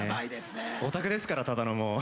オタクですからただのもう。